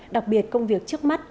đặc biệt công việc trước mắt